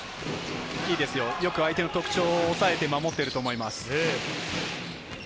よく相手の特徴をおさえて守っていると思います。